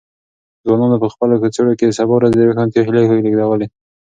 ځوانانو په خپلو کڅوړو کې د سبا ورځې د روښانتیا هیلې لېږدولې.